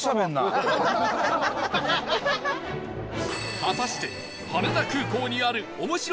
果たして羽田空港にあるおもしろ